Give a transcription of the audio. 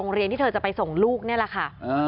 กระทั่งตำรวจก็มาด้วยนะคะ